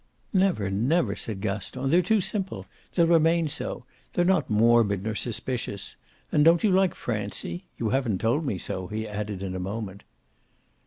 "Never, never!" said Gaston. "They're too simple. They'll remain so. They're not morbid nor suspicious. And don't you like Francie? You haven't told me so," he added in a moment.